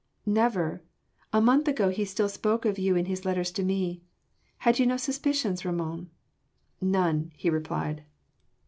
"Never. A month ago he still spoke of you in his letters to me. Had you no suspicions, Ramon?" "None," he replied.